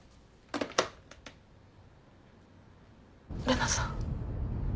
玲奈さん？